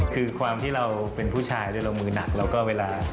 คือความที่เราเป็นผู้ชายโดยเรามือหนักแล้วก็เวลา